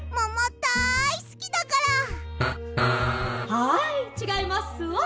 「はいちがいますわ」。